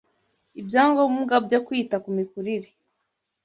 ibyangombwa byo kwita ku mikurire